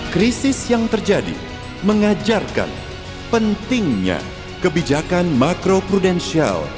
krisis yang terjadi mengajarkan pentingnya kebijakan makro prudensial